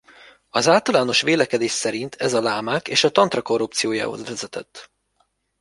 Az általános vélekedés szerint ez a lámák és a tantra korrupciójához vezetett.